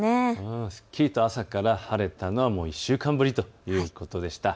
すっきりと朝から晴れたのは１週間ぶりということでした。